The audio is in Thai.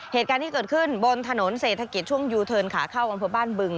เหตุการณ์ที่เกิดขึ้นบนถนนเศรษฐกิจช่วงยูเทิร์นขาเข้าอำเภอบ้านบึง